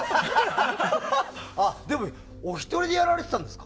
でも、お一人でやられてたんですか？